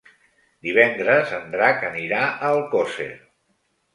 Divendres en Drac anirà a Alcosser.